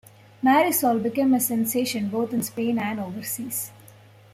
Marisol became a sensation both in Spain and overseas.